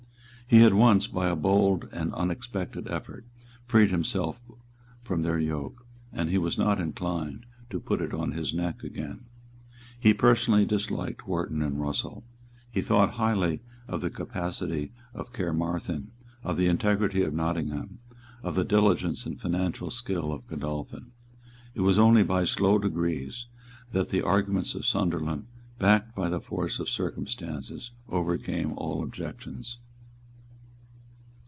He had once, by a bold and unexpected effort, freed himself from their yoke; and he was not inclined to put it on his neck again. He personally disliked Wharton and Russell. He thought highly of the capacity of Caermarthen, of the integrity of Nottingham, of the diligence and financial skill of Godolphin. It was only by slow degrees that the arguments of Sunderland, backed by the force of circumstances, overcame all objections.